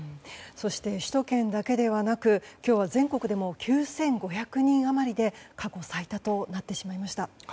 そして首都圏だけではなく今日は全国でも９５００人余りで過去最多となってしまいました。